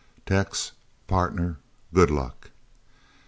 "Tex partner good luck!"